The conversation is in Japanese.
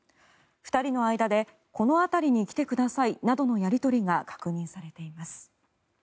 ２人の間でこの辺りに来てくださいなどのやり取りが確認されています。